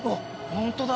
ホントだ。